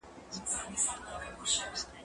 زه کتابتون ته تللي دي،